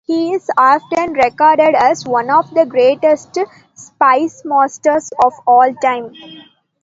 He is often regarded as one of the greatest spymasters of all time.